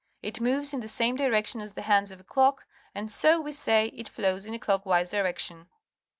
It moves in the same direction as the hands of a clock, and so we say it flows in a clockwise direction.